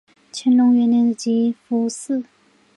乾隆元年的集福祠。